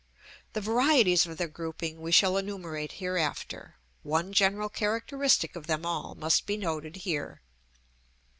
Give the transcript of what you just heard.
The varieties of their grouping we shall enumerate hereafter: one general characteristic of them all must be noted here.